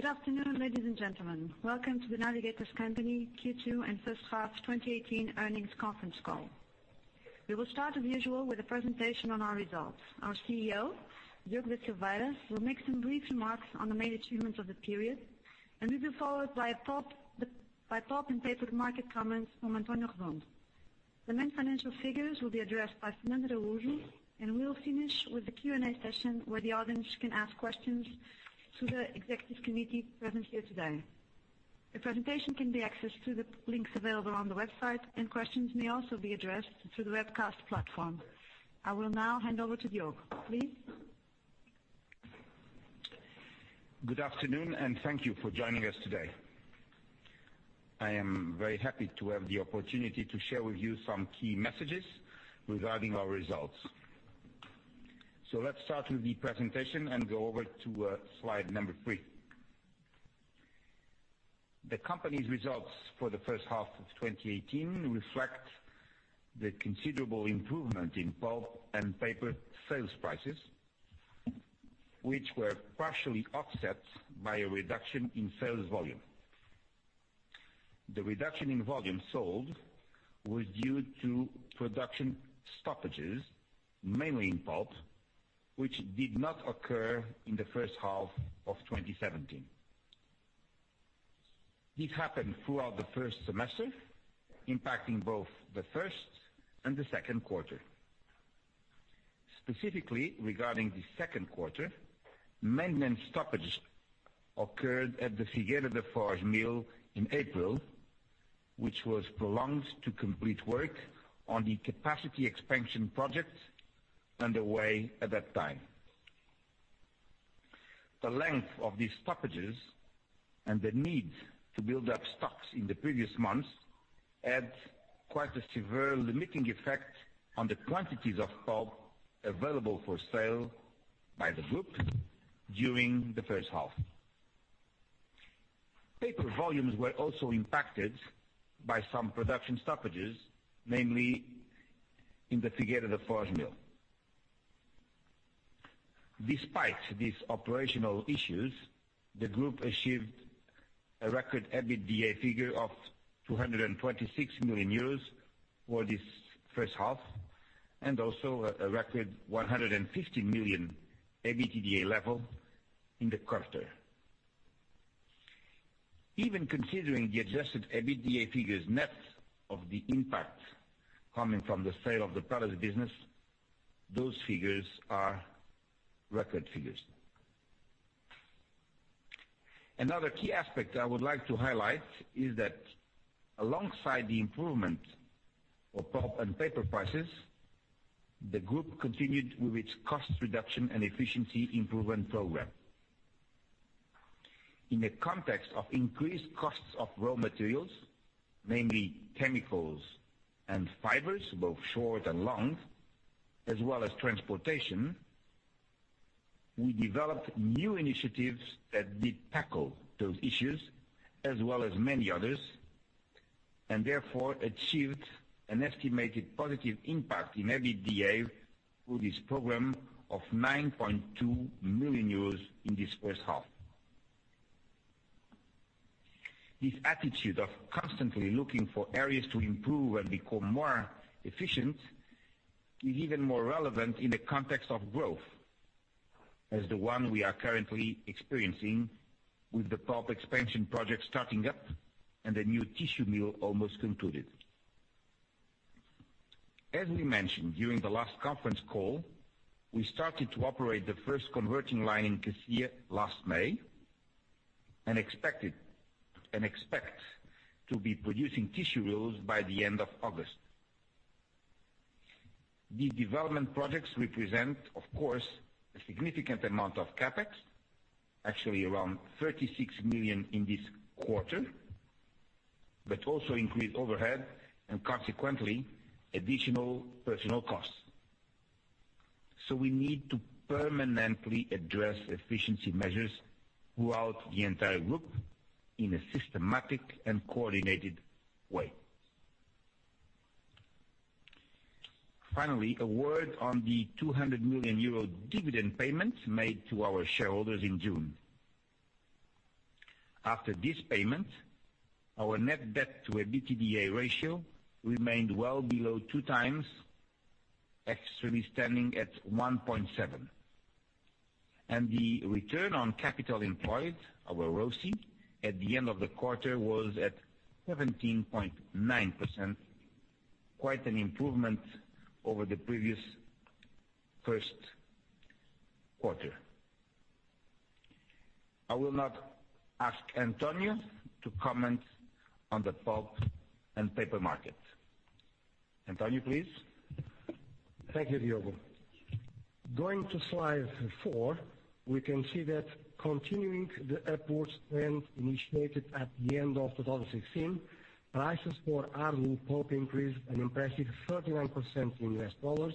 Good afternoon, ladies and gentlemen. Welcome to The Navigator Company Q2 and first half 2018 earnings conference call. We will start as usual with a presentation on our results. Our CEO, Diogo da Silveira, will make some brief remarks on the main achievements of the period, and will be followed by pulp and paper market comments from António Redondo. The main financial figures will be addressed by Fernando Araújo, and we will finish with a Q&A session where the audience can ask questions to the executive committee present here today. The presentation can be accessed through the links available on the website, and questions may also be addressed through the webcast platform. I will now hand over to Diogo. Please. Good afternoon, and thank you for joining us today. I am very happy to have the opportunity to share with you some key messages regarding our results. Let's start with the presentation and go over to slide number three. The company's results for the first half of 2018 reflect the considerable improvement in pulp and paper sales prices, which were partially offset by a reduction in sales volume. The reduction in volume sold was due to production stoppages, mainly in pulp, which did not occur in the first half of 2017. This happened throughout the first semester, impacting both the first and the second quarter. Specifically regarding the second quarter, maintenance stoppages occurred at the Figueira da Foz mill in April, which was prolonged to complete work on the capacity expansion project underway at that time. The length of these stoppages and the need to build up stocks in the previous months had quite a severe limiting effect on the quantities of pulp available for sale by the group during the first half. Paper volumes were also impacted by some production stoppages, mainly in the Figueira da Foz mill. Despite these operational issues, the group achieved a record EBITDA figure of 226 million euros for this first half, and also a record 150 million EBITDA level in the quarter. Even considering the adjusted EBITDA figures net of the impact coming from the sale of the pellets business, those figures are record figures. Another key aspect I would like to highlight is that alongside the improvement of pulp and paper prices, the group continued with its cost reduction and efficiency improvement program. In the context of increased costs of raw materials, mainly chemicals and fibers, both short and long, as well as transportation, we developed new initiatives that did tackle those issues as well as many others, and therefore achieved an estimated positive impact in EBITDA through this program of 9.2 million euros in this first half. This attitude of constantly looking for areas to improve and become more efficient is even more relevant in the context of growth as the one we are currently experiencing with the pulp expansion project starting up and the new tissue mill almost concluded. As we mentioned during the last conference call, we started to operate the first converting line in Cacia last May, and expect to be producing tissue rolls by the end of August. These development projects represent, of course, a significant amount of CapEx, actually around 36 million in this quarter, but also increased overhead and consequently, additional personal costs. We need to permanently address efficiency measures throughout the entire group in a systematic and coordinated way. Finally, a word on the 200 million euro dividend payment made to our shareholders in June. After this payment, our net debt to EBITDA ratio remained well below two times, actually standing at 1.7. The return on capital employed, our ROCE, at the end of the quarter was at 17.9%, quite an improvement over the previous first quarter. I will now ask António to comment on the pulp and paper market. António, please. Thank you, Diogo. Going to slide four, we can see that continuing the upwards trend initiated at the end of 2016, prices for our pulp increased an impressive 39% in U.S. dollars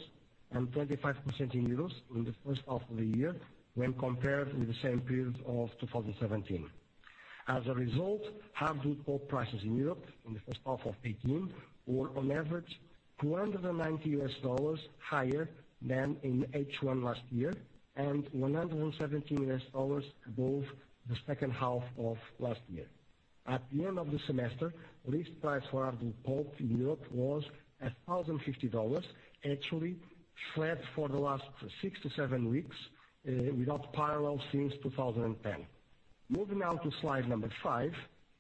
and 25% in EUR in the first half of the year when compared with the same period of 2017. As a result, hardwood pulp prices in Europe in the first half of 2018 were on average 290 US dollars higher than in H1 last year, and 117 US dollars above the second half of last year. At the end of the semester, list price for hardwood pulp in Europe was 1,050 dollars, actually flat for the last six to seven weeks, without parallel since 2010. Moving now to slide number five,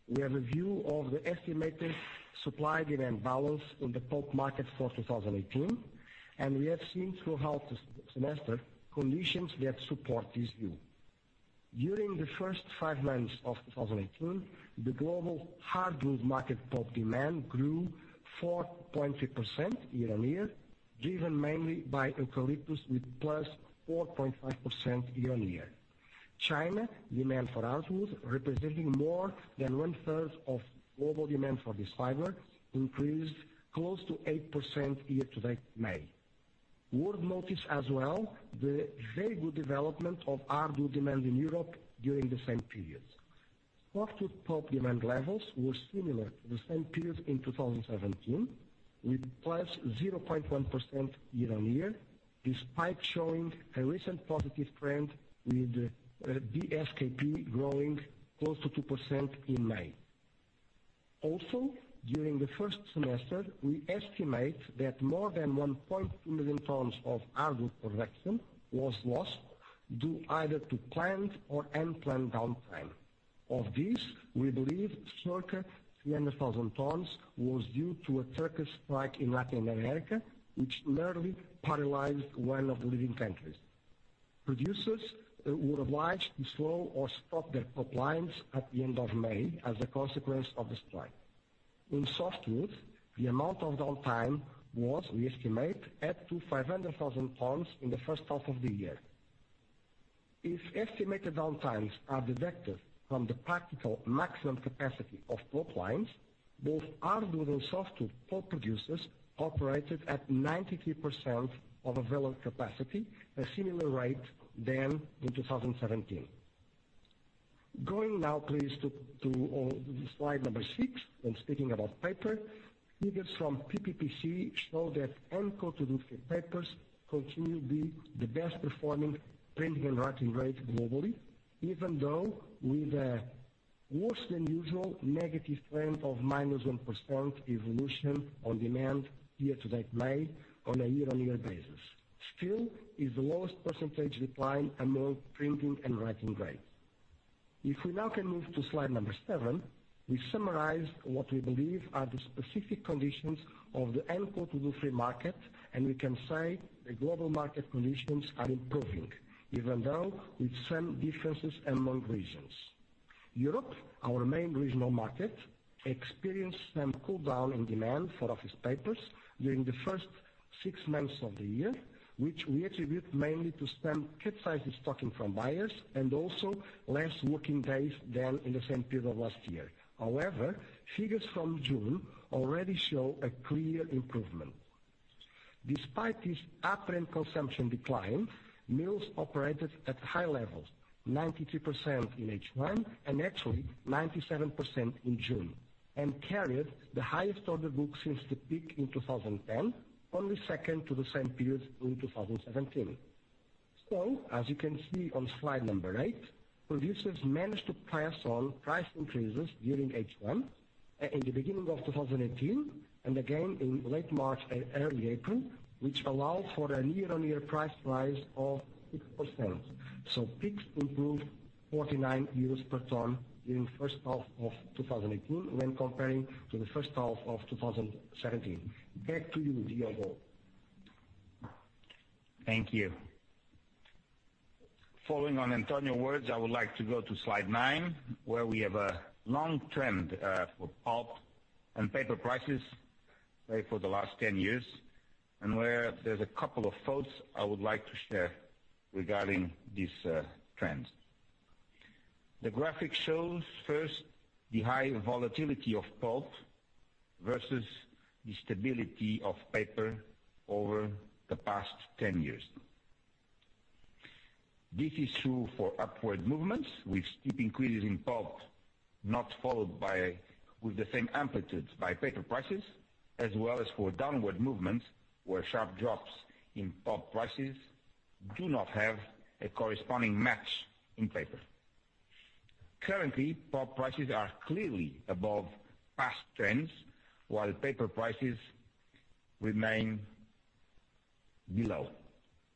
we have a view of the estimated supply-demand balance in the pulp market for 2018. We have seen throughout the semester conditions that support this view. During the first five months of 2018, the global hardwood market pulp demand grew 4.3% year-on-year, driven mainly by eucalyptus with +4.5% year-on-year. China demand for hardwood, representing more than one third of global demand for this fiber, increased close to 8% year to date May. Worth notice as well, the very good development of hardwood demand in Europe during the same period. Softwood pulp demand levels were similar to the same period in 2017 with +0.1% year-on-year, despite showing a recent positive trend with BSKP growing close to 2% in May. During the first semester, we estimate that more than 1.2 million tons of hardwood production was lost due either to planned or unplanned downtime. Of this, we believe circa 300,000 tons was due to a trucker strike in Latin America, which nearly paralyzed one of the leading countries. Producers were obliged to slow or stop their pulp lines at the end of May as a consequence of the strike. In softwood, the amount of downtime was, we estimate, up to 500,000 tons in the first half of the year. If estimated downtimes are deducted from the practical maximum capacity of pulp lines, both hardwood and softwood pulp producers operated at 93% of available capacity, a similar rate than in 2017. Going now please to slide number six, when speaking about paper, figures from PPPC show that uncoated woodfree papers continue to be the best performing printing and writing grade globally, even though with a worse than usual negative trend of -1% evolution on demand year to date May on a year-on-year basis. Still, it's the lowest percentage decline among printing and writing grades. If we now can move to slide seven, we summarize what we believe are the specific conditions of the uncoated woodfree market. We can say the global market conditions are improving, even though with some differences among regions. Europe, our main regional market, experienced some cool down in demand for office papers during the first six months of the year, which we attribute mainly to some cautious stocking from buyers and also less working days than in the same period last year. However, figures from June already show a clear improvement. Despite this apparent consumption decline, mills operated at high levels, 93% in H1 and actually 97% in June, and carried the highest order book since the peak in 2010, only second to the same period in 2017. As you can see on slide eight, producers managed to pass on price increases during H1 in the beginning of 2018. Again in late March and early April, which allow for a year-on-year price rise of 6%. PIX improved 49 euros per ton during the first half of 2018 when comparing to the first half of 2017. Back to you, Diogo. Thank you. Following on António's words, I would like to go to slide nine, where we have a long trend for pulp and paper prices, maybe for the last 10 years, where there's a couple of thoughts I would like to share regarding these trends. The graphic shows first the high volatility of pulp versus the stability of paper over the past 10 years. This is true for upward movements with steep increases in pulp not followed with the same amplitude by paper prices, as well as for downward movements where sharp drops in pulp prices do not have a corresponding match in paper. Currently, pulp prices are clearly above past trends, while paper prices remain below.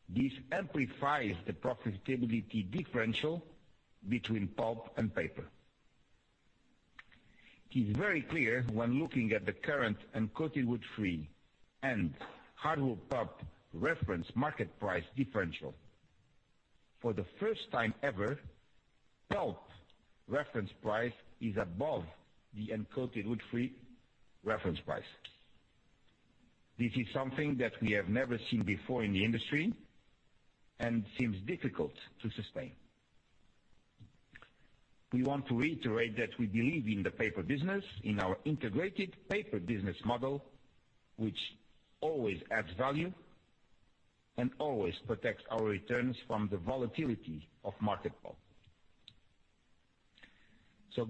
This amplifies the profitability differential between pulp and paper. It's very clear when looking at the current uncoated woodfree and hardwood pulp reference market price differential. For the first time ever, pulp reference price is above the uncoated woodfree reference price. This is something that we have never seen before in the industry and seems difficult to sustain. We want to reiterate that we believe in the paper business, in our integrated paper business model, which always adds value. Always protects our returns from the volatility of market pulp.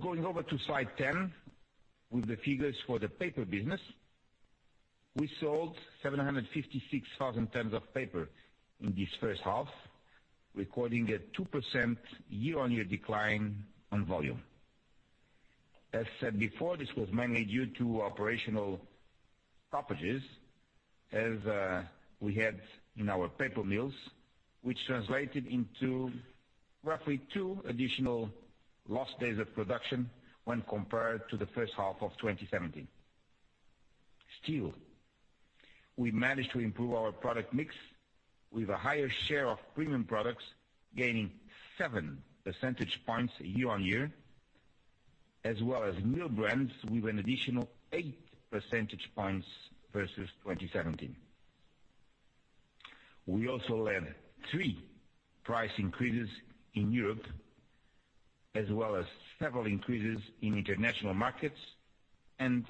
Going over to slide 10, with the figures for the paper business. We sold 756,000 tons of paper in this first half, recording a 2% year-on-year decline on volume. As said before, this was mainly due to operational stoppages as we had in our paper mills, which translated into roughly two additional lost days of production when compared to the first half of 2017. Still, we managed to improve our product mix with a higher share of premium products, gaining seven percentage points year-on-year, as well as new brands with an additional eight percentage points versus 2017. We also led three price increases in Europe, as well as several increases in international markets and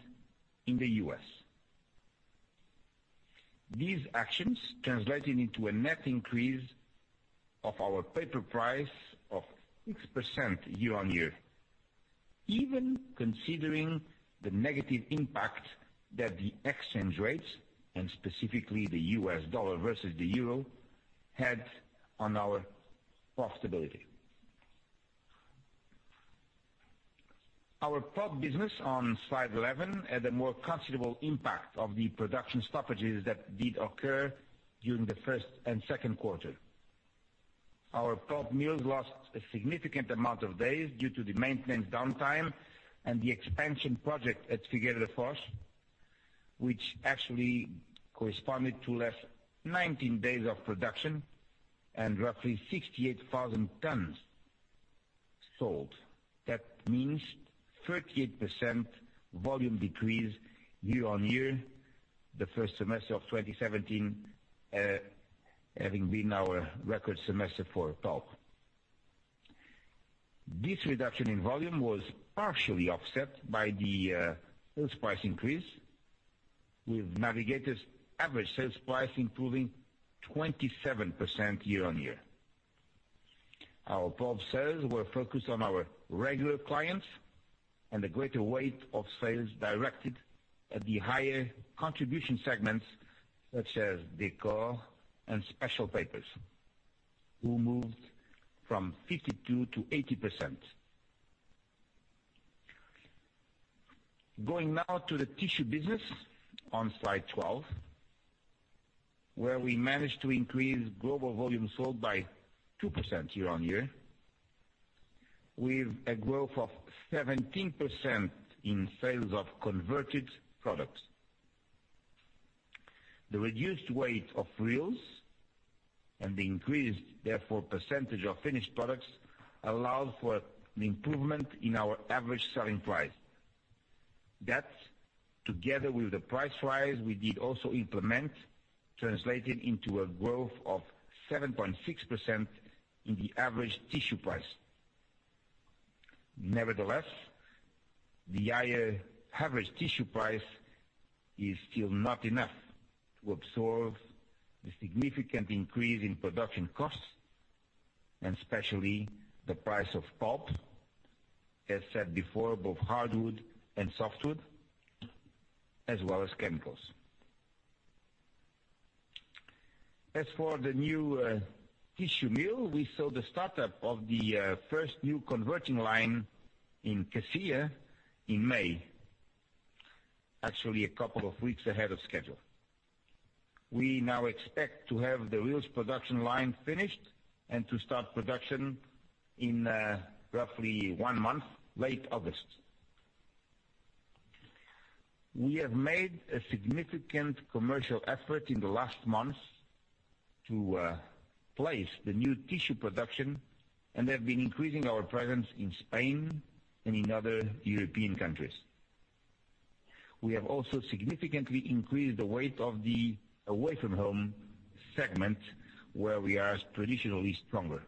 in the U.S. These actions translated into a net increase of our paper price of 6% year-on-year, even considering the negative impact that the exchange rates, and specifically the US dollar versus the EUR, had on our profitability. Our pulp business on slide 11 had a more considerable impact of the production stoppages that did occur during the first and second quarter. Our pulp mills lost a significant amount of days due to the maintenance downtime and the expansion project at Figueira da Foz, which actually corresponded to less 19 days of production and roughly 68,000 tons sold. That means 38% volume decrease year-on-year, the first semester of 2017, having been our record semester for pulp. This reduction in volume was partially offset by the sales price increase, with Navigator's average sales price improving 27% year-on-year. Our pulp sales were focused on our regular clients and a greater weight of sales directed at the higher contribution segments such as decor and special papers who moved from 52% to 80%. Going now to the tissue business on slide 12, where we managed to increase global volume sold by 2% year-on-year, with a growth of 17% in sales of converted products. The reduced weight of reels and the increased therefore percentage of finished products allowed for an improvement in our average selling price. That, together with the price rise we did also implement, translated into a growth of 7.6% in the average tissue price. Nevertheless, the higher average tissue price is still not enough to absorb the significant increase in production costs and especially the price of pulp, as said before, both hardwood and softwood, as well as chemicals. As for the new tissue mill, we saw the startup of the first new converting line in Cacia in May. Actually a couple of weeks ahead of schedule. We now expect to have the reels production line finished and to start production in roughly one month, late August. We have made a significant commercial effort in the last months to place the new tissue production and have been increasing our presence in Spain and in other European countries. We have also significantly increased the weight of the away-from-home segment, where we are traditionally stronger.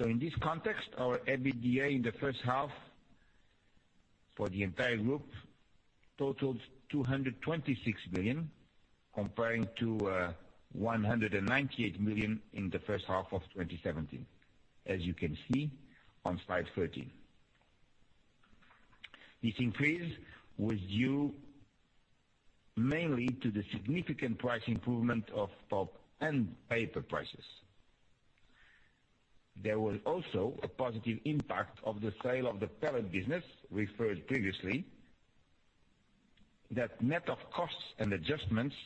In this context, our EBITDA in the first half for the entire group totaled 226 million, comparing to 198 million in the first half of 2017, as you can see on slide 13. This increase was due mainly to the significant price improvement of pulp and paper prices. There was also a positive impact of the sale of the pellets business referred previously that net of costs and adjustments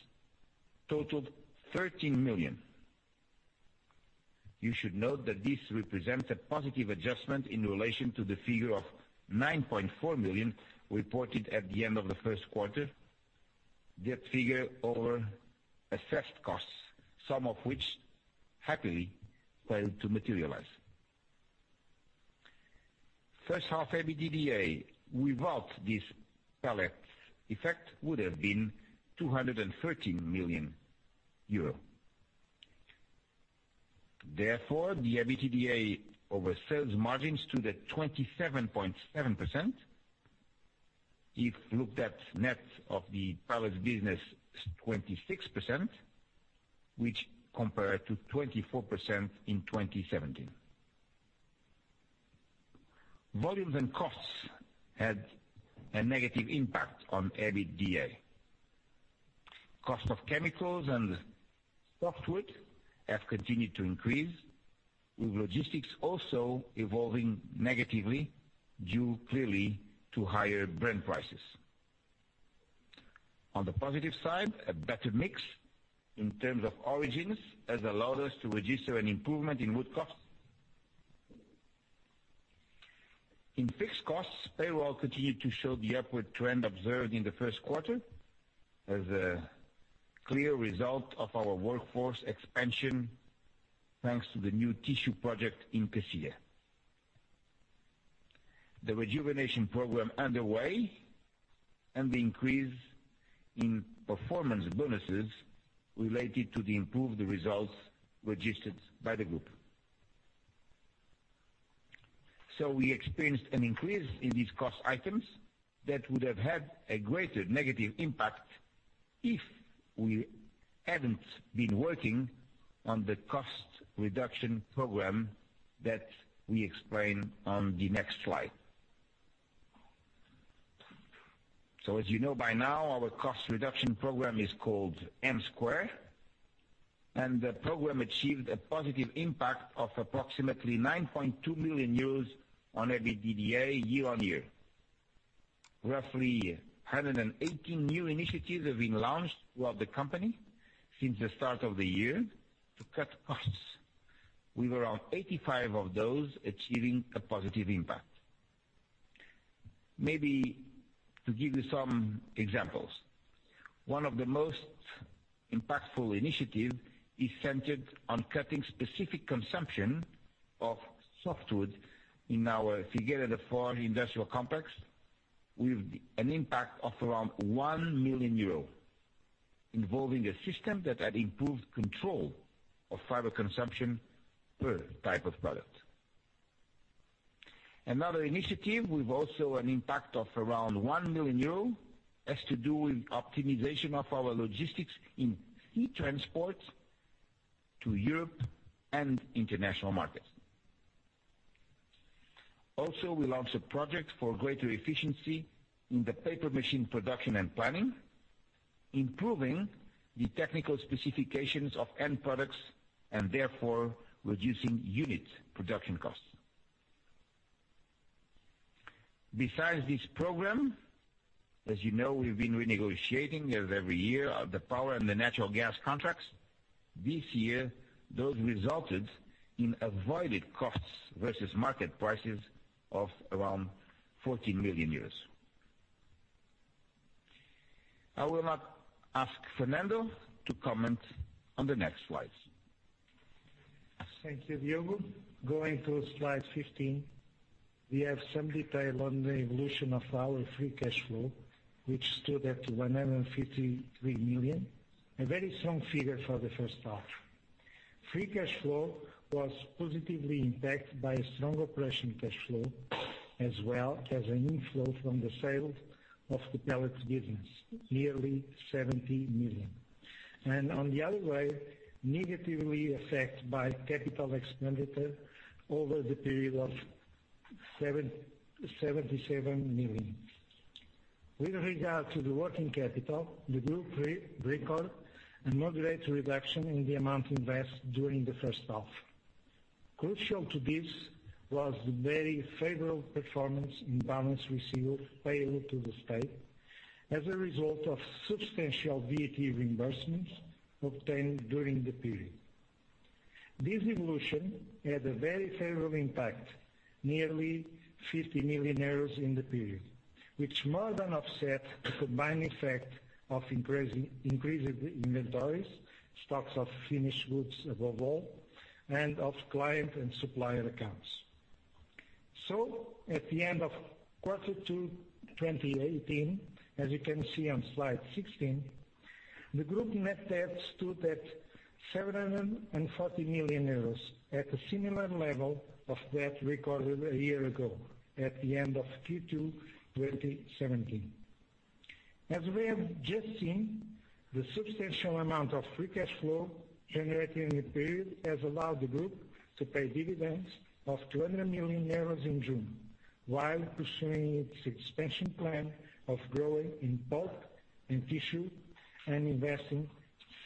totaled 13 million. You should note that this represents a positive adjustment in relation to the figure of 9.4 million reported at the end of the first quarter. That figure over assessed costs, some of which happily failed to materialize. First half EBITDA without this pellets effect would have been 213 million euro. Therefore, the EBITDA over sales margins stood at 27.7%. If looked at net of the pellets business, 26%, which compare to 24% in 2017. Volumes and costs had a negative impact on EBITDA. Cost of chemicals and softwood have continued to increase, with logistics also evolving negatively due clearly to higher Brent prices. On the positive side, a better mix in terms of origins has allowed us to register an improvement in wood costs. In fixed costs, payroll continued to show the upward trend observed in the first quarter as a clear result of our workforce expansion, thanks to the new tissue project in Cacia. The rejuvenation program underway and the increase in performance bonuses related to the improved results registered by the group. We experienced an increase in these cost items that would have had a greater negative impact if we hadn't been working on the cost reduction program that we explain on the next slide. As you know by now, our cost reduction program is called M Squared, and the program achieved a positive impact of approximately 9.2 million euros on EBITDA year-on-year. Roughly 118 new initiatives have been launched throughout the company since the start of the year to cut costs, with around 85 of those achieving a positive impact. To give you some examples, one of the most impactful initiative is centered on cutting specific consumption of softwood in our Figueira da Foz industrial complex with an impact of around 1 million euro, involving a system that had improved control of fiber consumption per type of product. Another initiative with also an impact of around 1 million euro has to do with optimization of our logistics in sea transport to Europe and international markets. We launched a project for greater efficiency in the paper machine production and planning, improving the technical specifications of end products and therefore reducing unit production costs. Besides this program, as you know, we've been renegotiating as every year the power and the natural gas contracts. This year, those resulted in avoided costs versus market prices of around 40 million euros. I will now ask Fernando to comment on the next slides. Thank you, Diogo. Going to slide 15, we have some detail on the evolution of our free cash flow, which stood at 153 million, a very strong figure for the first half. Free cash flow was positively impacted by a strong operation cash flow, as well as an inflow from the sale of the pellets business, nearly 70 million. On the other way, negatively affected by capital expenditure over the period of 77 million. With regard to the working capital, the group record a moderate reduction in the amount invest during the first half. Crucial to this was the very favorable performance in balance received payable to the state as a result of substantial VAT reimbursements obtained during the period. This evolution had a very favorable impact, nearly 50 million euros in the period, which more than offset the combined effect of increasing inventories, stocks of finished goods above all, and of client and supplier accounts. At the end of quarter two 2018, as you can see on slide 16, the group net debt stood at 740 million euros at a similar level of debt recorded a year ago at the end of Q2 2017. As we have just seen, the substantial amount of free cash flow generated in the period has allowed the group to pay dividends of 200 million euros in June while pursuing its expansion plan of growing in pulp and tissue and investing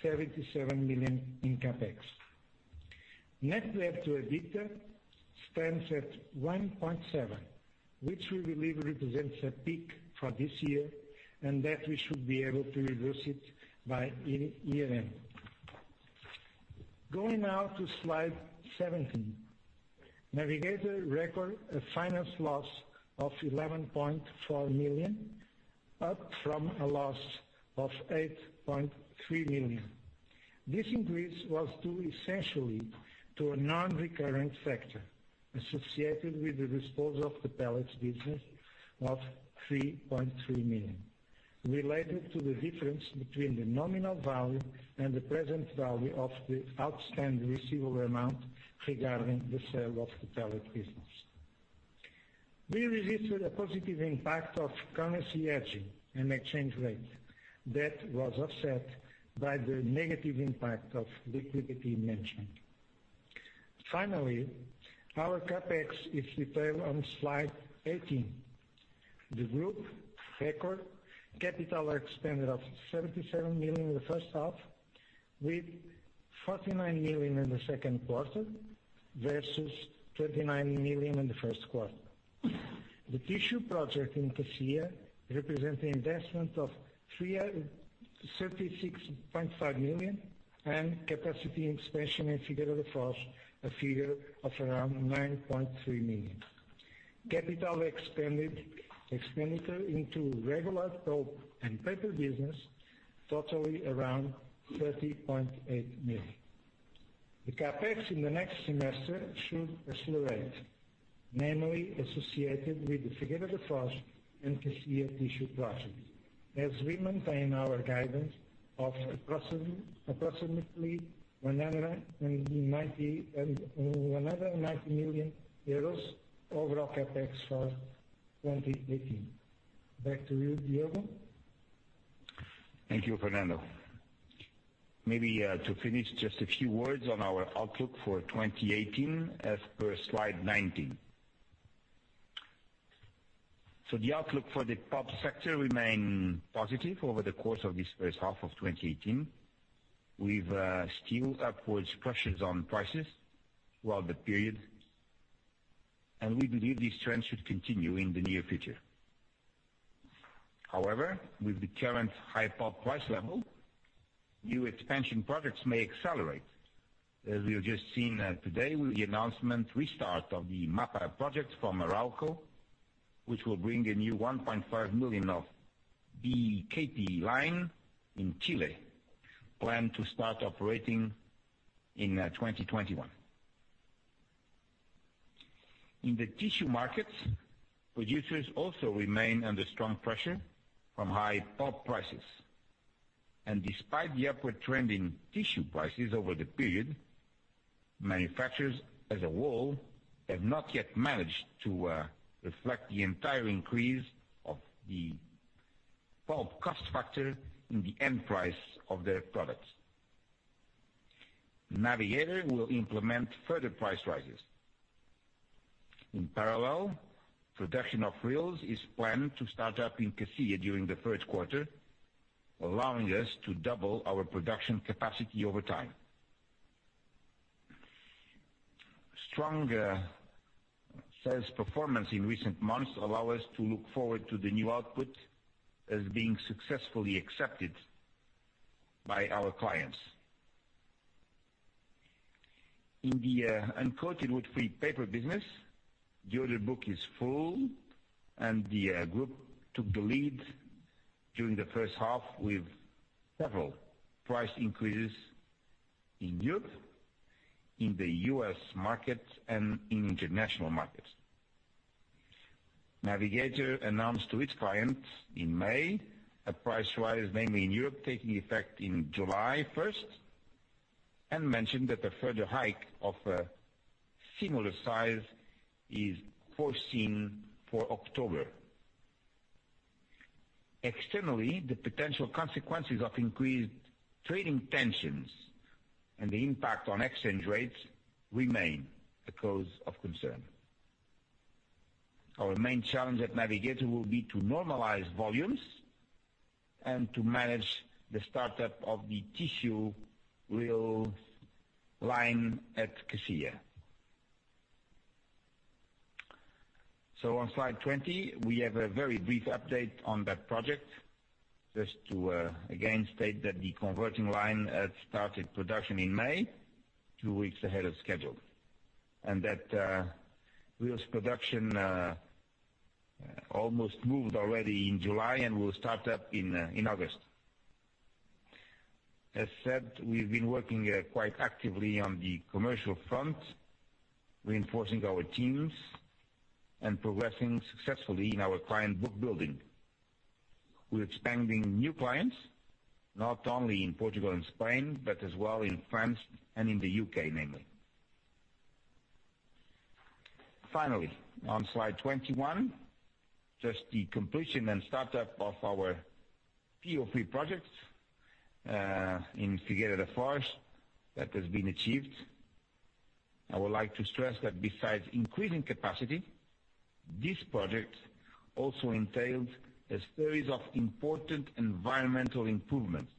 77 million in CapEx. Net debt to EBITDA stands at 1.7, which we believe represents a peak for this year and that we should be able to reverse it by year-end. Going now to slide 17. Navigator record a finance loss of 11.4 million, up from a loss of 8.3 million. This increase was due essentially to a non-recurrent factor associated with the disposal of the pellets business of 3.3 million. Related to the difference between the nominal value and the present value of the outstanding receivable amount regarding the sale of the telecom business. We registered a positive impact of currency hedging and exchange rate that was offset by the negative impact of liquidity mentioned. Finally, our CapEx is detailed on slide 18. The group record capital expenditure of 77 million in the first half, with 49 million in the second quarter versus 39 million in the first quarter. The tissue project in Cacia represents an investment of 36.5 million and capacity expansion in Figueira da Foz, a figure of around 9.3 million. Capital expenditure into regular pulp and paper business totaling around 30.8 million. The CapEx in the next semester should accelerate, mainly associated with the Figueira da Foz and Cacia tissue project, as we maintain our guidance of approximately EUR 190 million overall CapEx for 2018. Back to you, Diogo. Thank you, Fernando. Maybe to finish, just a few words on our outlook for 2018 as per slide 19. The outlook for the pulp sector remains positive over the course of this first half of 2018. We've still upwards pressures on prices throughout the period, and we believe this trend should continue in the near future. However, with the current high pulp price level, new expansion projects may accelerate. As we have just seen today with the announcement restart of the MAPA project from Arauco, which will bring a new 1.5 million of BHKP line in Chile, planned to start operating in 2021. In the tissue markets, producers also remain under strong pressure from high pulp prices. Despite the upward trend in tissue prices over the period, manufacturers as a whole have not yet managed to reflect the entire increase of the pulp cost factor in the end price of their products. Navigator will implement further price rises. In parallel, production of reels is planned to start up in Cacia during the third quarter, allowing us to double our production capacity over time. Strong sales performance in recent months allow us to look forward to the new output as being successfully accepted by our clients. In the uncoated woodfree paper business, the order book is full, and the group took the lead during the first half with several price increases in Europe, in the U.S. market, and in international markets. Navigator announced to its clients in May a price rise, mainly in Europe, taking effect in July 1st, and mentioned that a further hike of a similar size is foreseen for October. Externally, the potential consequences of increased trading tensions and the impact on exchange rates remain a cause of concern. Our main challenge at Navigator will be to normalize volumes and to manage the startup of the tissue reel line at Cacia. On slide 20, we have a very brief update on that project. Just to again state that the converting line had started production in May, two weeks ahead of schedule. That reel's production almost moved already in July and will start up in August. As said, we've been working quite actively on the commercial front, reinforcing our teams and progressing successfully in our client book building. We're expanding new clients, not only in Portugal and Spain, but as well in France and in the U.K. mainly. Finally, on slide 21, just the completion and startup of our P03 project in Figueira da Foz that has been achieved. I would like to stress that besides increasing capacity, this project also entailed a series of important environmental improvements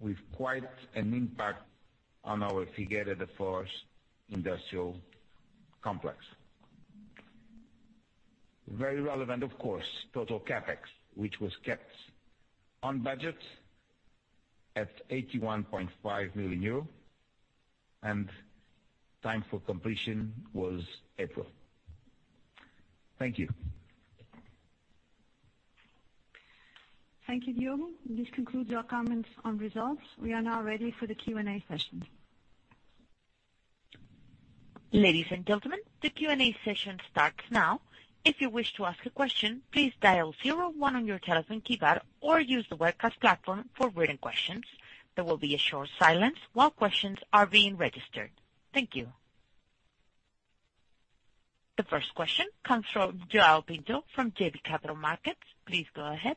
with quite an impact on our Figueira da Foz industrial complex. Very relevant, of course, total CapEx, which was kept on budget at 81.5 million euro and time for completion was April. Thank you. Thank you, Diogo. This concludes our comments on results. We are now ready for the Q&A session. Ladies and gentlemen, the Q&A session starts now. If you wish to ask a question, please dial 01 on your telephone keypad or use the webcast platform for written questions. There will be a short silence while questions are being registered. Thank you. The first question comes from João Pinto from JB Capital Markets. Please go ahead.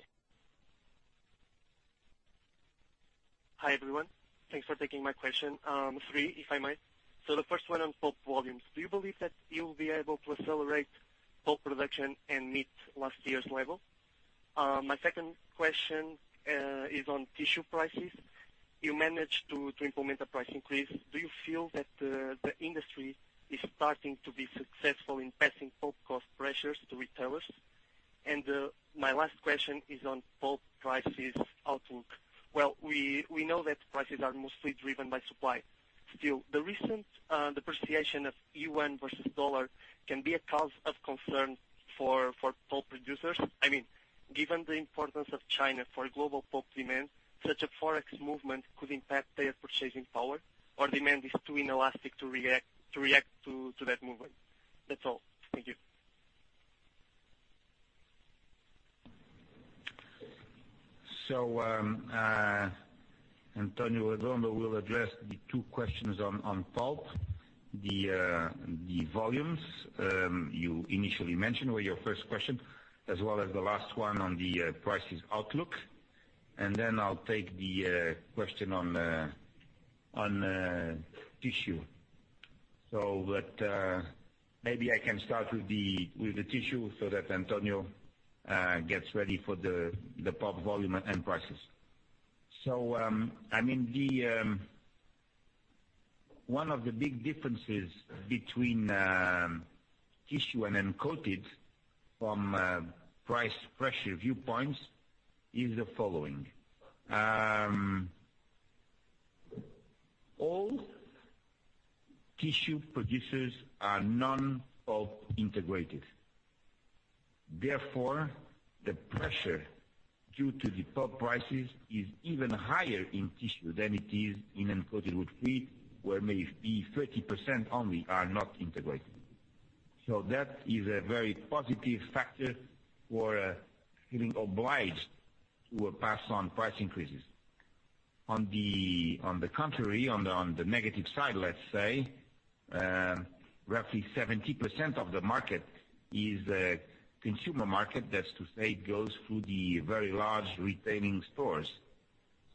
Hi, everyone. Thanks for taking my question. Three, if I might. The first one on pulp volumes. Do you believe that you'll be able to accelerate pulp production and meet last year's level? My second question is on tissue prices. You managed to implement a price increase. Do you feel that the industry is starting to be successful in passing pulp cost pressures to retailers? My last question is on pulp prices outlook. We know that prices are mostly driven by supply. Still, the recent depreciation of yuan versus USD can be a cause of concern for pulp producers. Given the importance of China for global pulp demand, such a Forex movement could impact their purchasing power or demand is too inelastic to react to that movement. That's all. Thank you. António Redondo will address the two questions on pulp. The volumes you initially mentioned were your first question, as well as the last one on the prices outlook. Then I'll take the question on tissue. Maybe I can start with the tissue so that António gets ready for the pulp volume and prices. One of the big differences between tissue and uncoated from a price pressure viewpoint is the following. All tissue producers are non-pulp integrated. Therefore, the pressure due to the pulp prices is even higher in tissue than it is in uncoated woodfree, where maybe 30% only are not integrated. That is a very positive factor for feeling obliged to pass on price increases. On the contrary, on the negative side, let's say, roughly 70% of the market is a consumer market. That's to say, goes through the very large retailing stores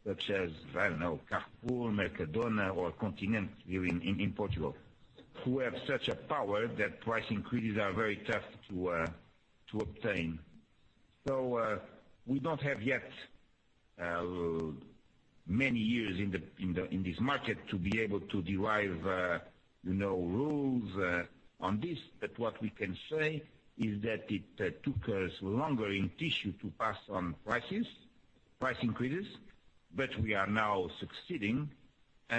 such as Carrefour, Mercadona, or Continente here in Portugal, who have such a power that price increases are very tough to obtain. We don't have yet many years in this market to be able to derive rules on this. What we can say is that it took us longer in tissue to pass on price increases, but we are now succeeding. We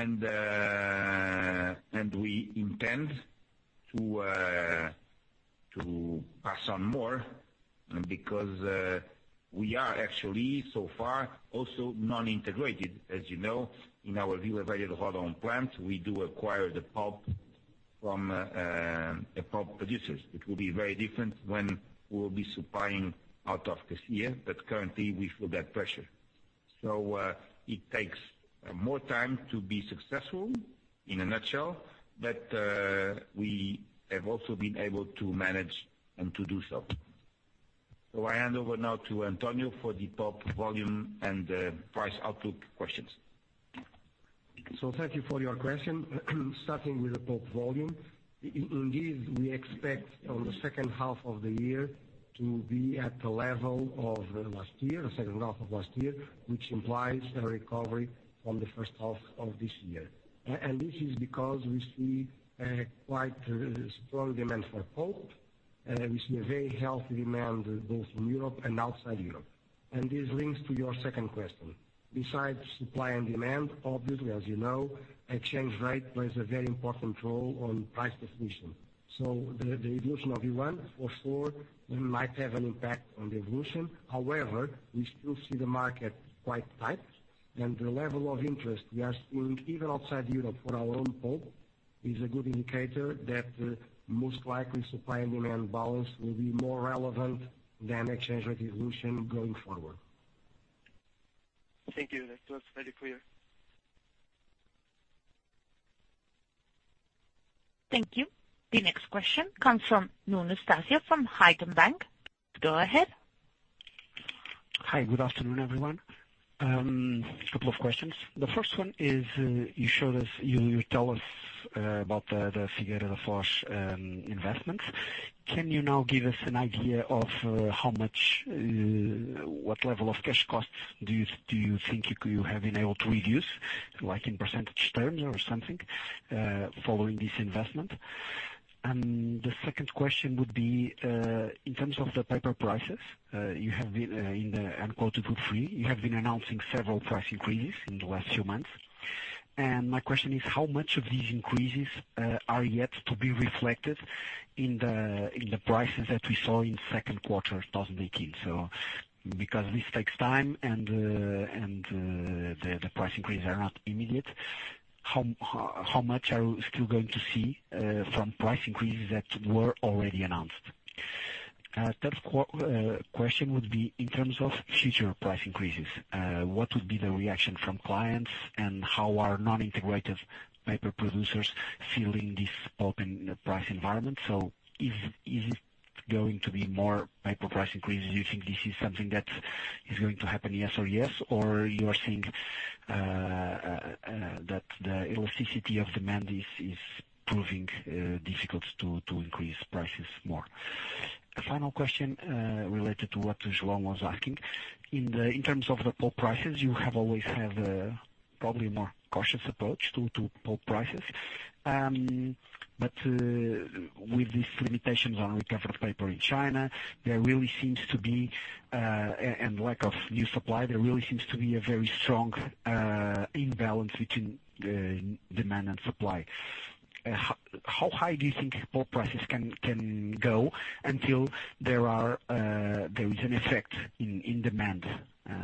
intend to pass on more because we are actually so far also non-integrated. As you know, in our Vila Real and Ourense plants, we do acquire the pulp from the pulp producers. It will be very different when we will be supplying out of this year, but currently we feel that pressure. It takes more time to be successful in a nutshell, but we have also been able to manage and to do so. I hand over now to António for the pulp volume and price outlook questions. Thank you for your question. Starting with the pulp volume. Indeed, we expect on the second half of the year to be at the level of last year, the second half of last year, which implies a recovery from the first half of this year. This is because we see a quite strong demand for pulp. We see a very healthy demand both in Europe and outside Europe. This links to your second question. Besides supply and demand, obviously as you know, exchange rate plays a very important role on price definition. The evolution of yuan or Forex might have an impact on the evolution. However, we still see the market quite tight, and the level of interest we are seeing even outside Europe for our own pulp is a good indicator that most likely supply and demand balance will be more relevant than exchange rate evolution going forward. Thank you. That was very clear. Thank you. The next question comes from Nuno Estácio from Haitong Bank. Go ahead. Hi. Good afternoon, everyone. Couple of questions. The first one is, you told us about the Figueira da Foz investments. Can you now give us an idea of what level of cash costs do you think you have been able to reduce, like in percentage terms or something, following this investment? The second question would be, in terms of the paper prices in the uncoated woodfree, you have been announcing several price increases in the last few months. My question is, how much of these increases are yet to be reflected in the prices that we saw in second quarter 2018? Because this takes time and the price increases are not immediate, how much are we still going to see from price increases that were already announced? Third question would be in terms of future price increases. What would be the reaction from clients, and how are non-integrated paper producers feeling this open price environment? Is it going to be more paper price increases? Do you think this is something that is going to happen, yes or yes? You are saying that the elasticity of demand is proving difficult to increase prices more? The final question related to what João was asking. In terms of the pulp prices, you have always had probably a more cautious approach to pulp prices. With these limitations on recovered paper in China and lack of new supply, there really seems to be a very strong imbalance between demand and supply. How high do you think pulp prices can go until there is an effect in demand?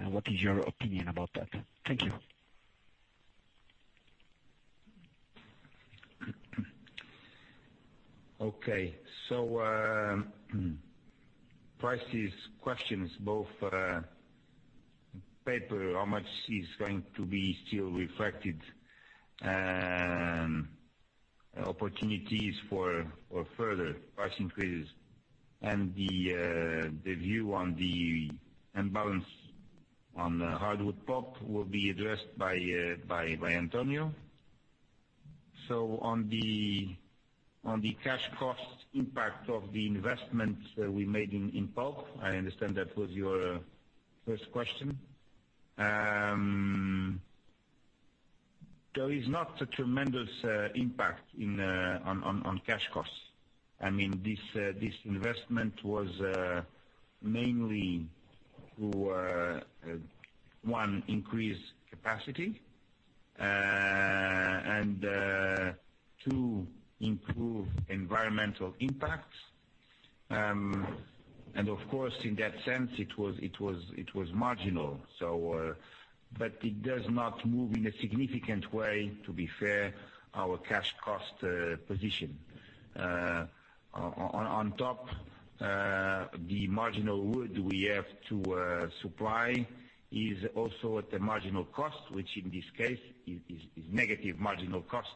What is your opinion about that? Thank you. Okay. Prices questions, both paper, how much is going to be still reflected and opportunities for further price increases and the view on the imbalance on the hardwood pulp will be addressed by António. On the cash cost impact of the investments we made in pulp, I understand that was your first question. There is not a tremendous impact on cash costs. This investment was mainly to, one, increase capacity, and two, improve environmental impacts. Of course, in that sense it was marginal. It does not move in a significant way, to be fair, our cash cost position. On top, the marginal wood we have to supply is also at a marginal cost, which in this case is negative marginal cost,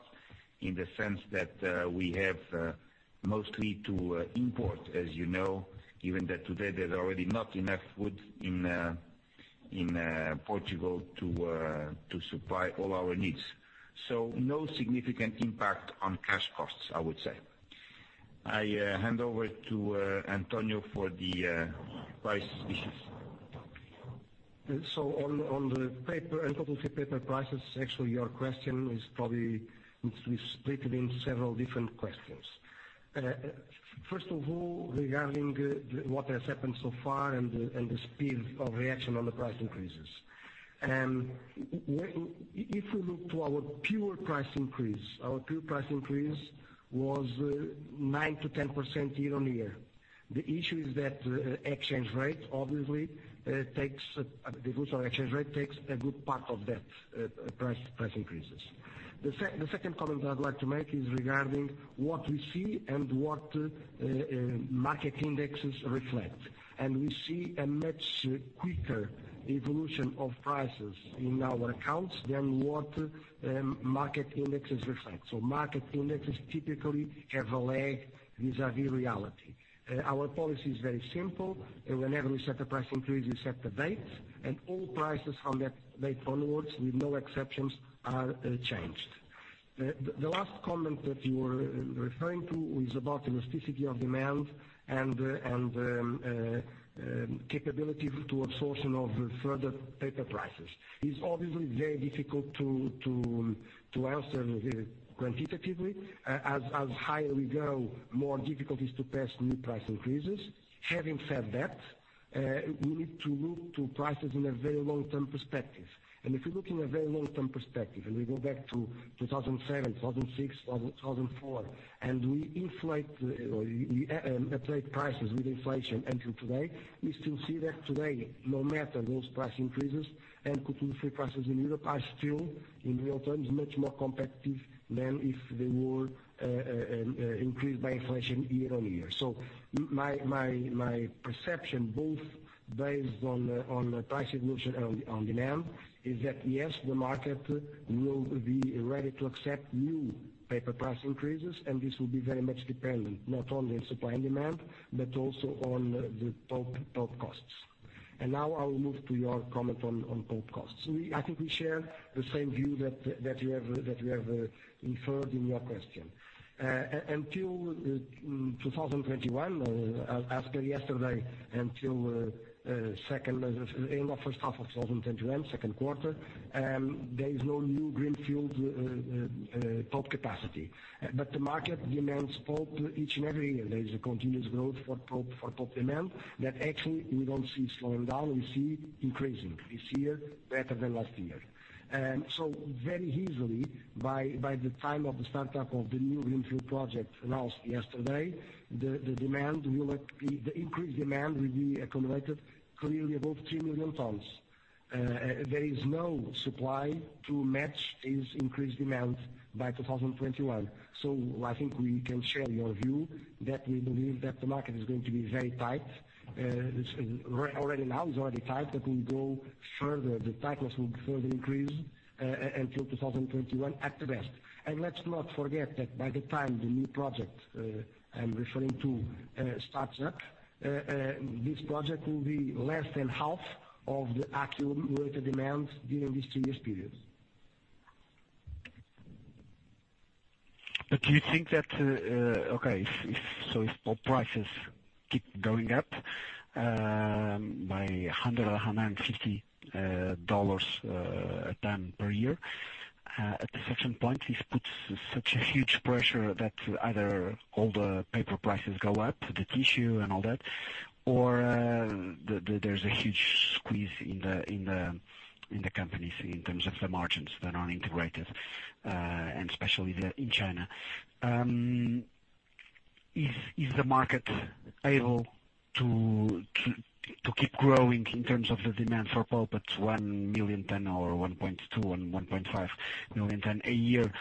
in the sense that we have mostly to import, as you know. Given that today there's already not enough wood in Portugal to supply all our needs. No significant impact on cash costs, I would say. I hand over to António for the price issues. On the paper and pulp paper prices, actually, your question needs to be split in several different questions. First of all, regarding what has happened so far and the speed of reaction on the price increases. If we look to our pure price increase, our pure price increase was 9%-10% year-on-year. The issue is that the exchange rate obviously takes a good part of that price increases. The second comment I'd like to make is regarding what we see and what market indexes reflect. We see a much quicker evolution of prices in our accounts than what market indexes reflect. Market indexes typically have a lag vis-à-vis reality. Our policy is very simple. Whenever we set a price increase, we set the dates, and all prices from that date onwards, with no exceptions, are changed. The last comment that you were referring to is about elasticity of demand and capability to absorption of further paper prices. It's obviously very difficult to answer quantitatively. As higher we go, more difficulties to pass new price increases. Having said that, we need to look to prices in a very long-term perspective. If we look in a very long-term perspective, and we go back to 2007, 2006, 2004, and we update prices with inflation until today, we still see that today, no matter those price increases and uncoated woodfree prices in Europe are still in real terms, much more competitive than if they were increased by inflation year-on-year. My perception, both based on price evolution and on demand, is that yes, the market will be ready to accept new paper price increases, and this will be very much dependent not only on supply and demand, but also on the pulp costs. Now I will move to your comment on pulp costs. I think we share the same view that you have inferred in your question. Until 2021, as per yesterday, until end of first half of 2021, second quarter, there is no new greenfield pulp capacity. The market demands pulp each and every year. There is a continuous growth for pulp demand that actually we don't see slowing down. We see increasing this year better than last year. Very easily, by the time of the startup of the new greenfield project announced yesterday, the increased demand will be accumulated clearly above 3 million tons. There is no supply to match this increased demand by 2021. I think we can share your view that we believe that the market is going to be very tight. Already now it's very tight, but will go further. The tightness will further increase until 2021 at best. Let's not forget that by the time the new project, I'm referring to starts up, this project will be less than half of the actual greater demand during this three years period. Do you think that, okay, if pulp prices keep going up by $100 or $150 a ton per year, at a certain point, this puts such a huge pressure that either all the paper prices go up, the tissue and all that, or there's a huge squeeze in the companies in terms of the margins that are not integrated, especially in China. Is the market able to keep growing in terms of the demand for pulp at 1 million ton or 1.2 million tons and 1.5 million tons a year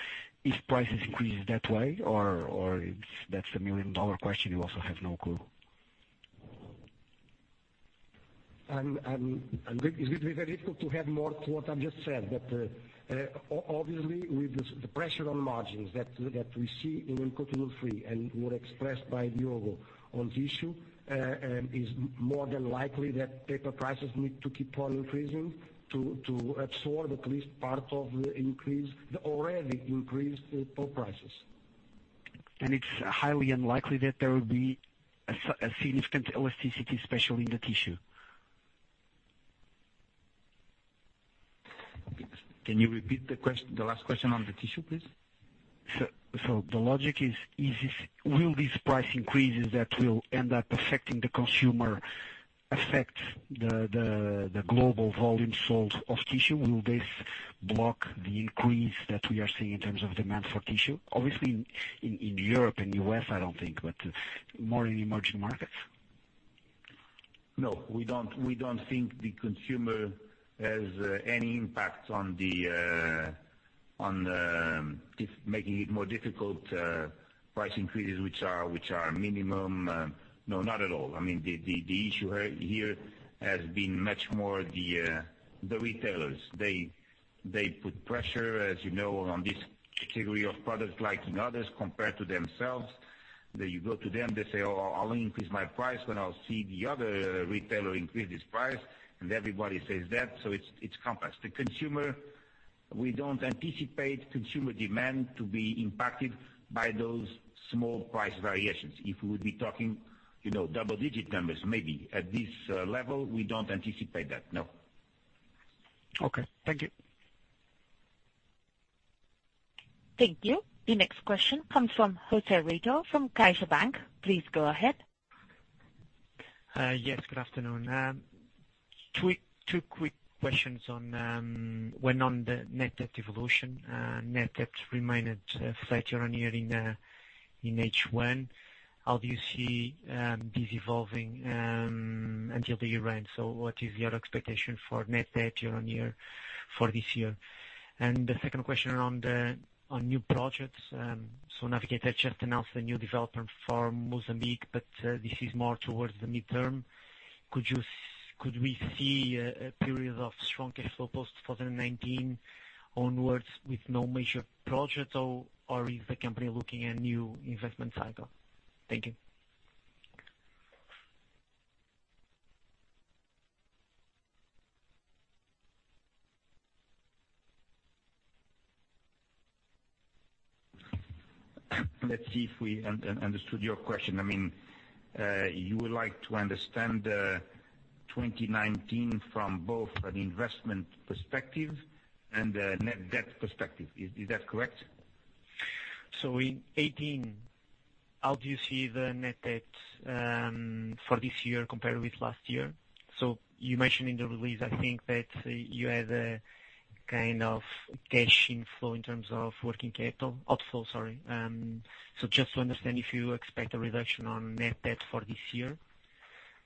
if prices increase that way? Or that's the million-dollar question you also have no clue? It would be very difficult to add more to what I've just said. Obviously with the pressure on margins that we see in Q3 and were expressed by Diogo on tissue, is more than likely that paper prices need to keep on increasing to absorb at least part of the already increased pulp prices. It's highly unlikely that there will be a significant elasticity, especially in the tissue? Can you repeat the last question on the tissue, please? The logic is, will these price increases that will end up affecting the consumer affect the global volume sold of tissue? Will this block the increase that we are seeing in terms of demand for tissue? Obviously, in Europe and U.S., I don't think, but more in emerging markets. No, we don't think the consumer has any impact on making it more difficult. Price increases, which are minimum. No, not at all. The issue here has been much more the retailers. They put pressure, as you know, on this category of product, like in others, compared to themselves. That you go to them, they say, "Oh, I'll increase my price when I'll see the other retailer increase his price." Everybody says that. It's complex. We don't anticipate consumer demand to be impacted by those small price variations. If we would be talking double-digit numbers, maybe. At this level, we don't anticipate that, no. Okay. Thank you. Thank you. The next question comes from José Rito from CaixaBank. Please go ahead. Yes, good afternoon. Two quick questions on when on the net debt evolution. Net debt remained flat year-on-year in H1. How do you see this evolving until the year end? What is your expectation for net debt year-on-year for this year? The second question on new projects. Navigator just announced a new development for Mozambique, but this is more towards the midterm. Could we see a period of strong cash flow post 2019 onwards with no major project? Or is the company looking at new investment cycle? Thank you. Let's see if we understood your question. You would like to understand 2019 from both an investment perspective and a net debt perspective. Is that correct? In 2018, how do you see the net debt for this year compared with last year? You mentioned in the release, I think that you had a kind of cash inflow in terms of working capital. Outflow, sorry. Just to understand if you expect a reduction on net debt for this year.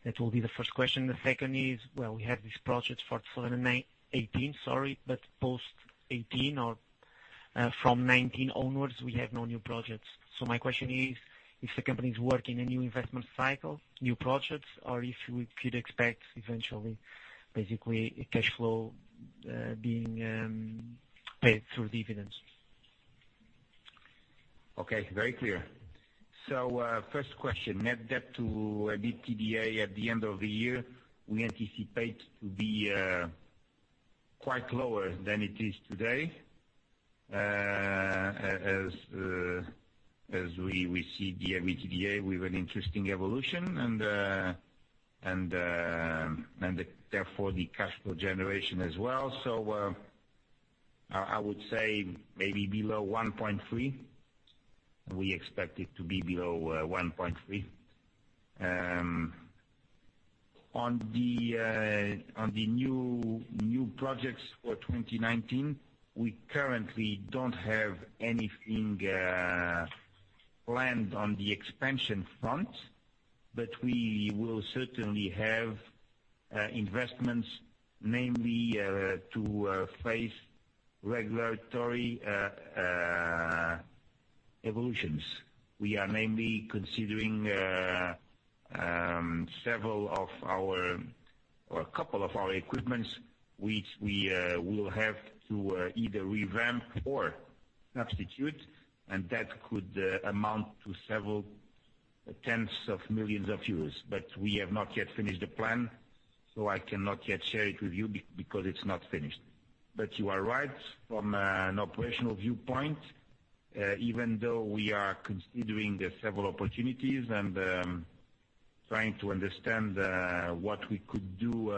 That will be the first question. The second is, well, we have these projects for 2018, sorry, but post 2018 or from 2019 onwards, we have no new projects. My question is the company working a new investment cycle, new projects? Or if you'd expect eventually, basically, cash flow being paid through dividends. Okay, very clear. First question, net debt to EBITDA at the end of the year, we anticipate to be quite lower than it is today. As we see the EBITDA with an interesting evolution, and therefore the cash flow generation as well. I would say maybe below 1.3. We expect it to be below 1.3. On the new projects for 2019, we currently don't have anything planned on the expansion front. We will certainly have investments, namely to face regulatory evolutions. We are namely considering a couple of our equipment, which we will have to either revamp or substitute, and that could amount to several tens of millions of EUR. We have not yet finished the plan, so I cannot yet share it with you because it's not finished. You are right, from an operational viewpoint, even though we are considering the several opportunities and trying to understand what we could do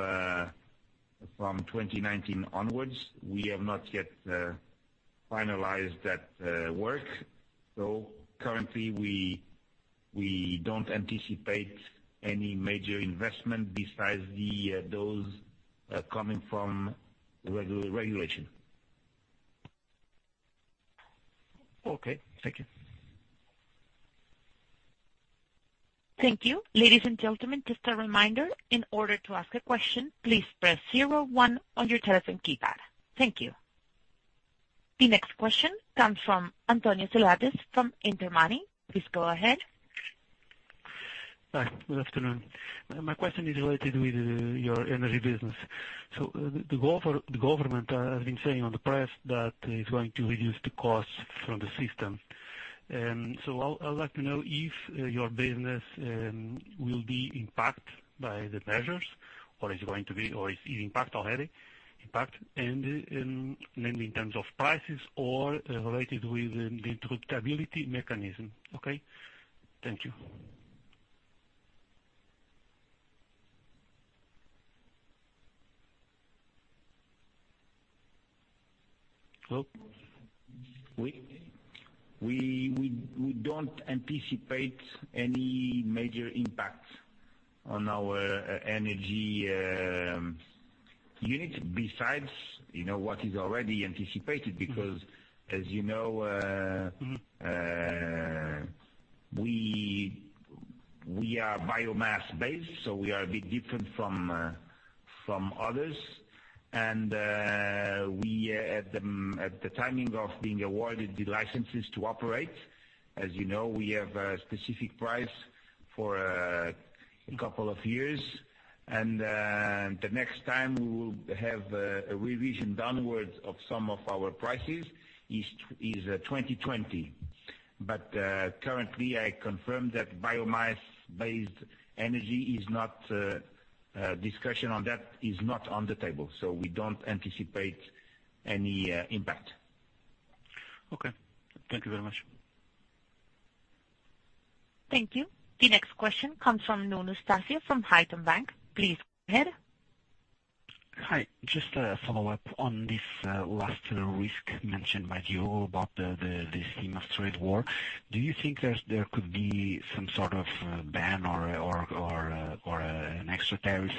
from 2019 onwards, we have not yet finalized that work. Currently, we don't anticipate any major investment besides those coming from regulation. Okay. Thank you. Thank you. Ladies and gentlemen, just a reminder, in order to ask a question, please press zero one on your telephone keypad. Thank you. The next question comes from António Silva from Intermoney. Please go ahead. Hi. Good afternoon. My question is related with your energy business. The government has been saying on the press that it's going to reduce the cost from the system. I'll like to know if your business will be impact by the measures or is it impact already? Impact, namely in terms of prices or related with the interruptibility mechanism. Okay. Thank you. Look, we don't anticipate any major impact on our energy unit besides what is already anticipated. As you know, we are biomass-based, we are a bit different from others. At the timing of being awarded the licenses to operate, as you know, we have a specific price for a couple of years. The next time we will have a revision downwards of some of our prices is 2020. Currently, I confirm that biomass-based energy, discussion on that is not on the table. We don't anticipate any impact. Okay. Thank you very much. Thank you. The next question comes from Nuno Estácio from Haitong Bank. Please go ahead. Hi. Just a follow-up on this last risk mentioned by you about the theme of trade war. Do you think there could be some sort of ban or an extra tariff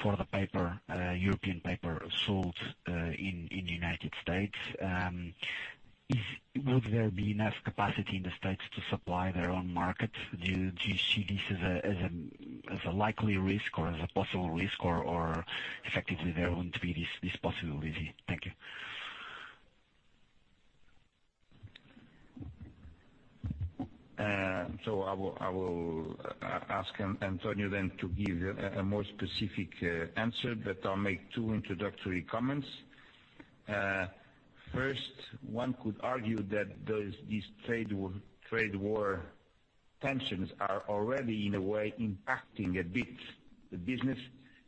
for the European paper sold in the U.S.? Will there be enough capacity in the States to supply their own market? Do you see this as a likely risk or as a possible risk, or effectively there won't be this possibility? Thank you. I will ask António then to give a more specific answer, but I'll make two introductory comments. First, one could argue that these trade war tensions are already, in a way, impacting a bit the business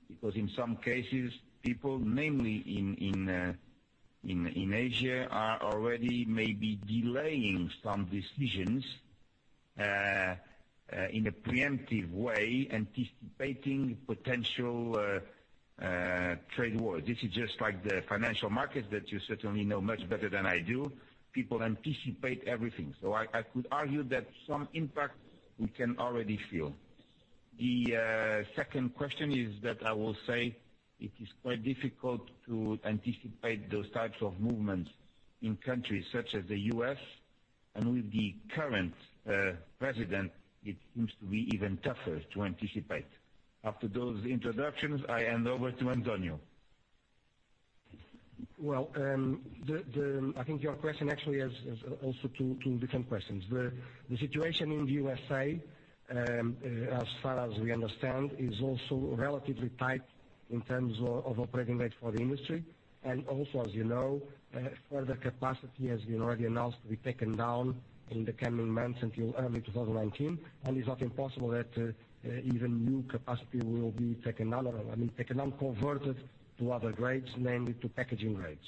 because, in some cases, people, mainly in Asia, are already maybe delaying some decisions in a preemptive way, anticipating potential trade war. This is just like the financial markets that you certainly know much better than I do. People anticipate everything. I could argue that some impact we can already feel. The second question is that I will say it is quite difficult to anticipate those types of movements in countries such as the U.S., and with the current president, it seems to be even tougher to anticipate. After those introductions, I hand over to António. Well, I think your question actually is also two different questions. The situation in the U.S., as far as we understand, is also relatively tight in terms of operating rate for the industry, and also as you know, further capacity has been already announced to be taken down in the coming months until early 2019. It's not impossible that even new capacity will be taken out or, I mean, taken on converted to other grades, namely to packaging grades.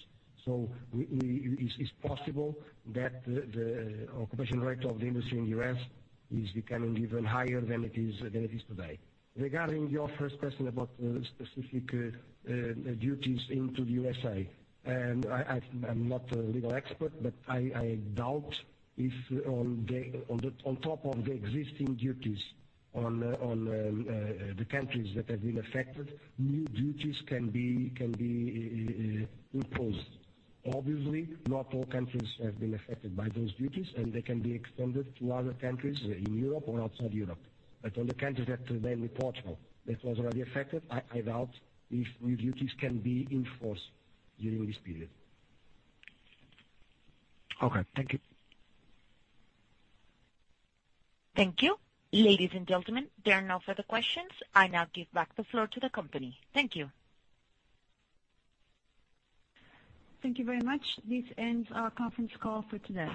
It's possible that the occupation rate of the industry in the U.S. is becoming even higher than it is today. Regarding your first question about the specific duties into the U.S., I'm not a legal expert, but I doubt if on top of the existing duties on the countries that have been affected, new duties can be imposed. Obviously, not all countries have been affected by those duties, and they can be extended to other countries in Europe or outside Europe. On the countries that, namely Portugal, that was already affected, I doubt if new duties can be in force during this period. Okay. Thank you. Thank you. Ladies and gentlemen, there are no further questions. I now give back the floor to the company. Thank you. Thank you very much. This ends our conference call for today.